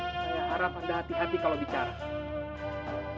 saya harap anda hati hati kalau bicara